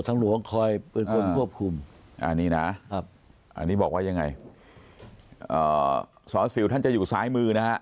มันเป็นลายกลุ่ม